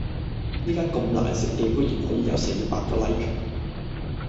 呢間咁難食嘅居然可以有四百個 like